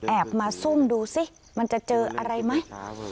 มาซุ่มดูสิมันจะเจออะไรไหม